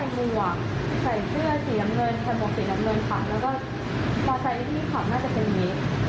แล้วก็พอใส่ที่นี่ขับน่าจะเป็นอย่างนี้